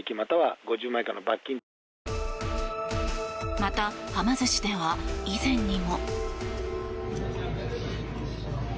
また、はま寿司では以前にも。